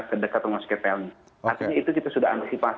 kedekatan mosketele artinya itu kita sudah